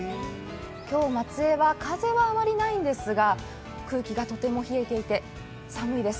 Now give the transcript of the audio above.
今日、松江は風はあまりないんですが空気がとても冷えていて寒いです。